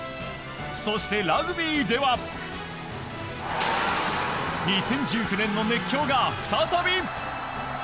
そして、ラグビーでは２０１９年の熱狂が再び！